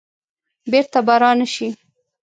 بیرته به را نه شي.